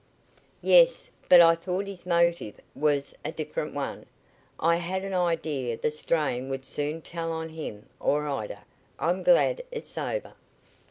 "Yes, but I thought his motive was a different one. I had an idea the strain would soon tell on him or Ida. I'm glad it's over."